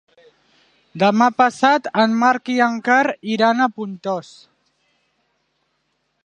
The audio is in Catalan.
Demà passat en Marc i en Quer iran a Pontós.